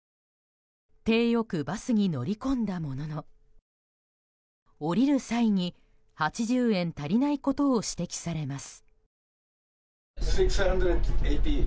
体よくバスに乗り込んだものの降りる際に８０円足りないことを指摘されます。